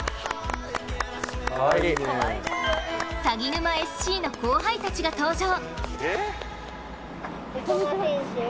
鷺沼ＳＣの後輩たちが登場。